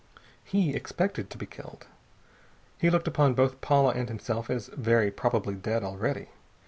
He expected to be killed. He looked upon both Paula and himself as very probably dead already.